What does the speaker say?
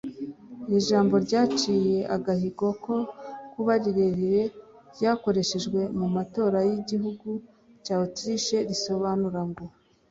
Iri jambo ryaciye agahigo ko kuba rirerire ryakoreshejwe mu matora y'igihugu cya Autriche risobanura ngo